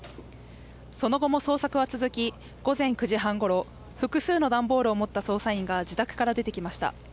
その後も捜索は続き、午前９時半ごろ、複数の段ボールを持った捜査員が自宅から出てきました。